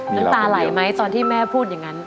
น้ำตาไหลไหมตอนที่แม่พูดอย่างนั้น